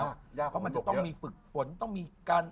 เพราะมันจะต้องมีฝึกฝนต้องมีการ